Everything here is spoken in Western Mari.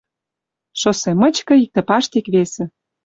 Шоссе мычкы иктӹ паштек весӹ